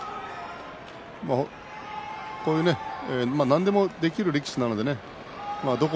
こういう何でもできる力士なんでね